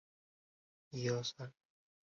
近年的推移如下表。